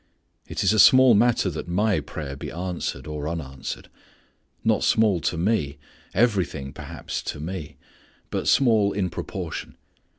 It is a small matter that my prayer be answered, or unanswered; not small to me; everything perhaps to me; but small in proportion.